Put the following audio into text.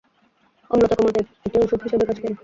অম্লতা কমাতে এটি ঔষধ হিসাবে কাজ করে।